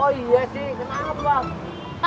oh iya sih kenapa